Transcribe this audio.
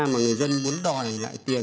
mà người dân muốn đòi lại tiền